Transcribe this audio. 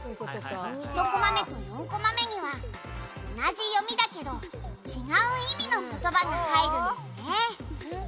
「１コマ目と４コマ目には同じ読みだけど違う意味の言葉が入るんですね」